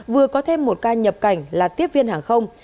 vừa có thêm một ca nhập cảnh là tiếp viên hàng không